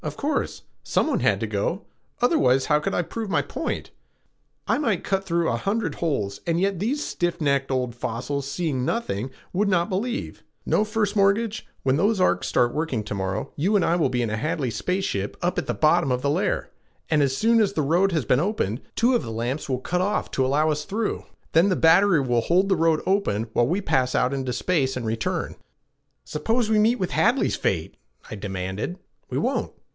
"Of course. Someone has to go; otherwise, how could I prove my point? I might cut through a hundred holes and yet these stiff necked old fossils, seeing nothing, would not believe. No, First Mortgage, when those arcs start working to morrow, you and I will be in a Hadley space ship up at the bottom of the layer, and as soon as the road has been opened, two of the lamps will cut off to allow us through. Then the battery will hold the road open while we pass out into space and return." "Suppose we meet with Hadley's fate?" I demanded. "We won't.